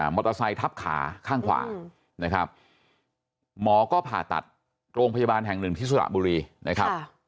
เตอร์ไซค์ทับขาข้างขวานะครับหมอก็ผ่าตัดโรงพยาบาลแห่งหนึ่งที่สระบุรีนะครับ